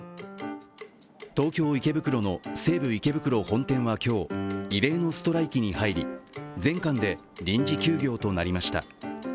東京・池袋の西武池袋本店は今日異例のストライキに入り全館で臨時休業となりました。